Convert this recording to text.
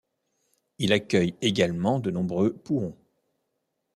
Il accueille également de nombreux pouhons.